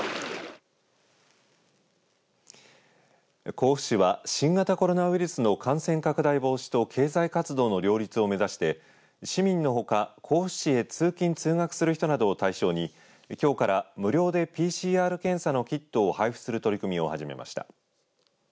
甲府市は新型コロナウイルスの感染拡大防止と経済活動の両立を目指して市民のほか、甲府市へ通勤通学する人などを対象にきょうから無料でＰＣＲ検査のキットを配付する取り組みを始めました。